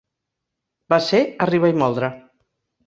Va ser arribar i moldre.